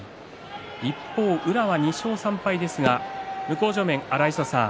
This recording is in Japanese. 一方、宇良は２勝３敗ですが向正面は荒磯さん